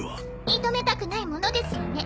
認めたくないものですわね。